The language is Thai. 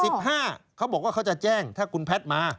เขาบอกว่าเขาจะแจ้งถ้าคุณแพทย์มา